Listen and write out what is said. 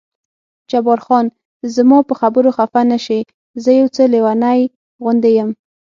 جبار خان: زما په خبرو خفه نه شې، زه یو څه لېونی غوندې یم.